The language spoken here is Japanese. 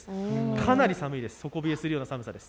かなり寒いです、底冷えするような寒さです。